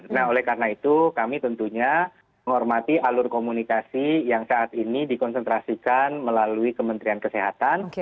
nah oleh karena itu kami tentunya menghormati alur komunikasi yang saat ini dikonsentrasikan melalui kementerian kesehatan